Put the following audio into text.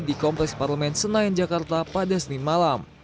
di kompleks parlemen senayan jakarta pada senin malam